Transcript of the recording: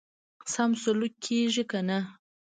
سم سلوک کیږي کنه.